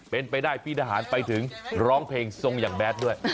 เป็นไปได้พี่ทหารไปถึงร้องเพลงทรงอย่างแดดด้วย